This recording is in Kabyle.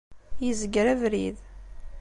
Yezger abrid.